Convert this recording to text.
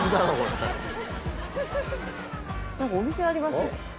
何かお店ありますね。